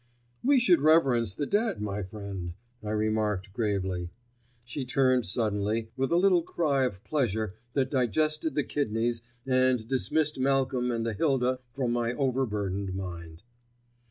"We should reverence the dead, my friend," I remarked gravely. She turned suddenly, with a little cry of pleasure that digested the kidneys and dismissed Malcolm and the Hilda from my overburdened mind.